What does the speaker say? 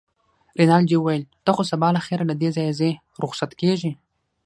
رینالډي وویل: ته خو سبا له خیره له دې ځایه ځې، رخصت کېږې.